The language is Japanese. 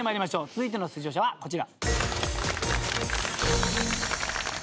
続いての出場者はこちら。